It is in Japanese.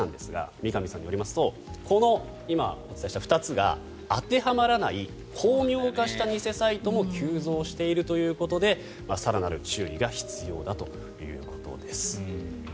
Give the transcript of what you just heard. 三上さんによりますと今お伝えした２つが当てはまらない巧妙化した偽サイトも急増しているということで更なる注意が必要だということです。